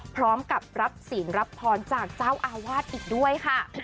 พร้อมกับรับศีลรับพรจากเจ้าอาวาสอีกด้วยค่ะ